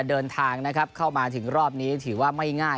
เดินทางนะครับเข้ามาถึงรอบนี้ถือว่าไม่ง่าย